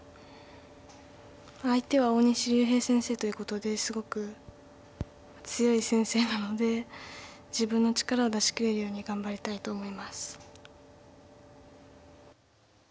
相手は大西竜平先生ということですごく強い先生なので自分の力を出しきれるように頑張りたいと思います。